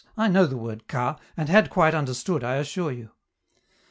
I know the word 'Ka', and had quite understood, I assure you."